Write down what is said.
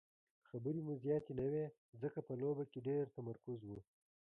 خبرې مو زیاتې نه وې ځکه په لوبه کې ډېر تمرکز وو.